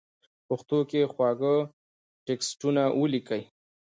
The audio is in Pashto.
پښتو کې خواږه ټېکسټونه وليکئ!!